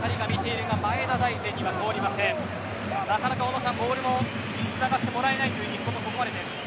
なかなか小野さんボールもつながせてもらえないという日本のここまでです。